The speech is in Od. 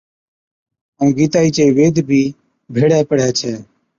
ائُون گِيتائِي چي ويد بِي ڀيڙي پڙهَي ڇَي